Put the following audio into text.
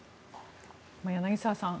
柳澤さん